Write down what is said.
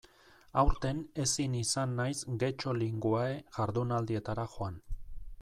Aurten ezin izan naiz Getxo Linguae jardunaldietara joan.